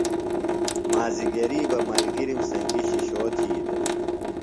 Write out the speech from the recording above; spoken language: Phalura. مازِگری بہ ملگِرِم سنگیۡ شِشو تھی دےۡ۔